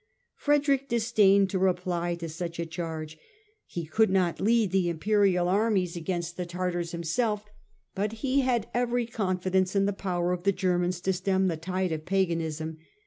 Frederick disdained to reply to such a charge. He could not lead the Imperial armies against the Tartars himself, but he had every confidence in the power of the Germans to stem the tide of paganism.